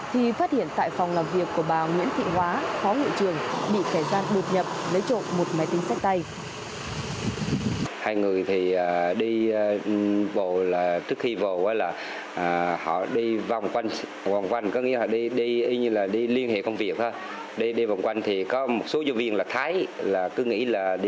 thì phát hiện tại phòng làm việc của bà nguyễn thị hóa phó ngụ trường bị kẻ gian bột nhập lấy trộn một máy tính sách tay